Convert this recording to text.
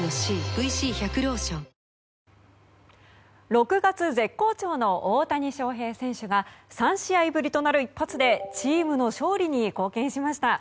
６月絶好調の大谷翔平選手が３試合ぶりとなる一発でチームの勝利に貢献しました。